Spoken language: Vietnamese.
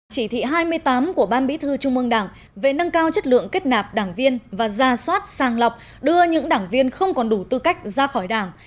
chỉ thị hai mươi tám của ban bí thư trung mương đảng về nâng cao chất lượng kết nạp đảng viên và ra soát sang lọc đưa những đảng viên không còn đủ tư cách ra khỏi đảng